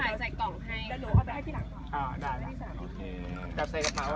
้าเก็บนะครับ